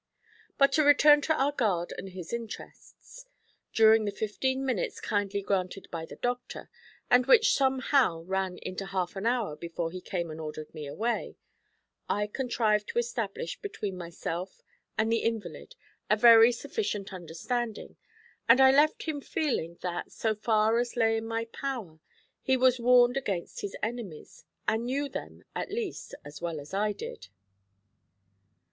But to return to our guard and his interests. During the fifteen minutes kindly granted by the doctor, and which somehow ran into half an hour before he came and ordered me away, I contrived to establish between myself and the invalid a very sufficient understanding, and I left him feeling that, so far as lay in my power, he was warned against his enemies, and knew them, at least, as well as I did.